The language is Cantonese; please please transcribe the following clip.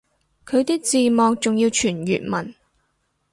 佢啲字幕仲要全粵文